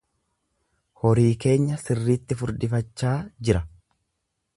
Horii keenya sirriitti furdifachaa jira.